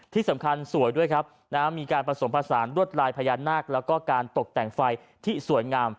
ที่สำคัญสวยด้วยครับมีการผสมผสานรวดลายพญานาคแล้วก็การตกแต่งไฟที่สวยงาม